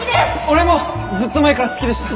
俺もずっと前から好きでした！